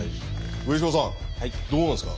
植芝さんどうなんですか？